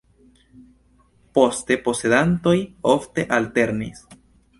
Poste posedantoj ofte alternis.